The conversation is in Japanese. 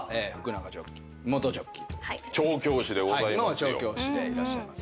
今は調教師でいらっしゃいます。